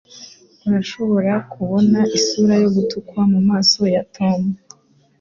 Urashobora kubona isura yo gutukwa mumaso ya Tom.